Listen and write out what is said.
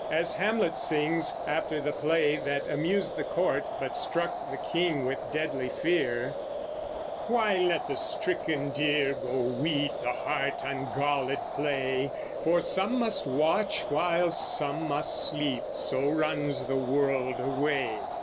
As Hamlet sings, after the play that amused the court but struck the king with deadly fear: Why, let the stricken deer go weep, The hart ungalled play; For some must watch, while some must sleep: So runs the world away.